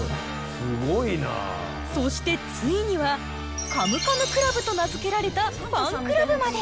そしてついにはカムカムクラブと名付けられたファンクラブまで！